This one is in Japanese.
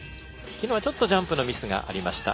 昨日はちょっとジャンプのミスがありました。